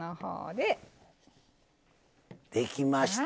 できました！